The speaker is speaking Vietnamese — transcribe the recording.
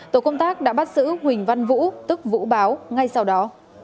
tổ công tác đã bắt giữ huỳnh văn vũ tức vũ báo ngay sau đó